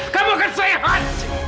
kamu akan selesai